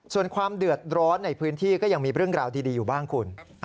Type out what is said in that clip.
ส่วนความเดือดร้อนในพื้นที่ก็ยังมีเรื่องราวดีอยู่บ้างคุณ